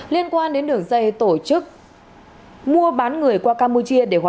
liên quan đến đường dây tổ chức mua bán người qua campuchia